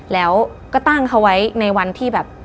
แล้วก็ตั้งเขาไว้ในวันที่แบบ